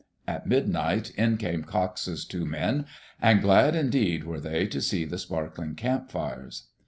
At midnight in came Cox*s two men, and glad indeed were they to see the sparkling campfires.